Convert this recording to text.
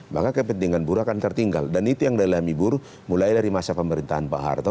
maka kepentingan buruh akan tertinggal dan itu yang dialami buruh mulai dari masa pemerintahan pak harto